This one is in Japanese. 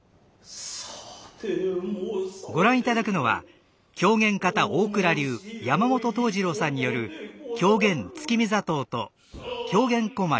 ご覧いただくのは狂言方大蔵流山本東次郎さんによる狂言「月見座頭」と狂言小舞